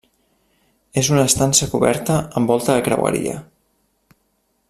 És una estança coberta amb volta de creueria.